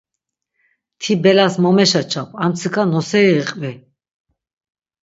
Ti belas mo meşaçap, armtsika noseri iqvi!